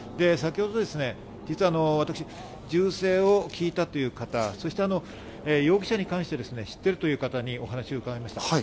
先ほど実はあの、私、銃声を聞いたという方、そして容疑者に関して、知っているという方にお話を伺いました。